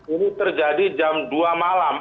ini terjadi jam dua malam